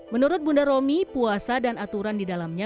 menurut bunda romi puasa dan aturan di dalamnya